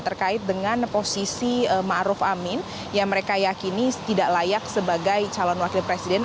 terkait dengan posisi ma'ruf amin yang mereka yakini tidak layak sebagai calon wakil presiden